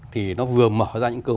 thì nó vừa mở ra những cơ hội